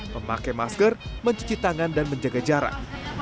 memakai masker mencuci tangan dan menjaga jarak